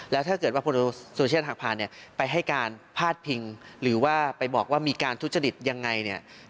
แล้วถ้าเกิดว่าพลสุเชษฐหักพานเนี่ยไปให้การพาดพิงหรือว่าไปบอกว่ามีการทุจริตยังไงเนี่ย